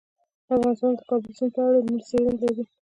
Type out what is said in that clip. افغانستان د د کابل سیند په اړه علمي څېړنې لري.